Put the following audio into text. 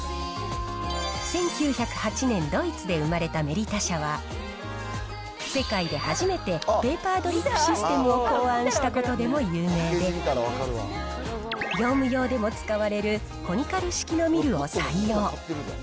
１９０８年、ドイツで生まれたメリタ社は、世界で初めてペーパードリップシステムを考案したことでも有名で、業務用でも使われるコニカル式のミルを採用。